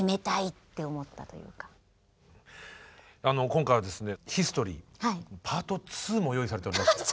今回はですねヒストリーパート２も用意されておりまして。